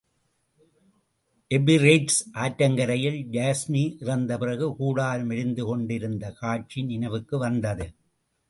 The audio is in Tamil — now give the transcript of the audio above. ஏபிரேட்ஸ் ஆற்றங்கரையிலே யாஸ்மி இறந்த பிறகு, கூடாரம் எரிந்து கொண்டிருந்த காட்சி நினைவுக்கு வந்தது.